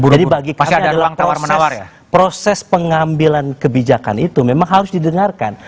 jadi bagi kami adalah proses pengambilan kebijakan itu memang harus didengarkan